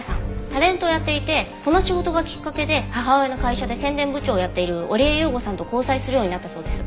タレントをやっていてこの仕事がきっかけで母親の会社で宣伝部長をやっている織江雄吾さんと交際するようになったそうです。